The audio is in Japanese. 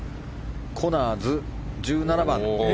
コナーズ、１７番。